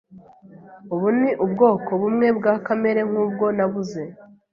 Ubu ni ubwoko bumwe bwa kamera nkubwo nabuze.